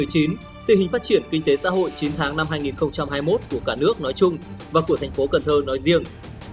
tình hình phát triển kinh tế xã hội chín tháng năm hai nghìn hai mươi một của cả nước nói chung và của thành phố cần thơ nói riêng